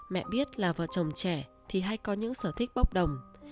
mẹ biết là vợ chồng trẻ thì hay có những sở thích bóc đồng